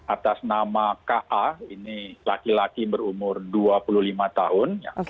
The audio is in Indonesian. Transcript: atas nama ka ini laki laki berumur dua puluh lima tahun